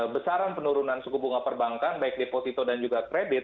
besaran penurunan suku bunga perbankan baik deposito dan juga kredit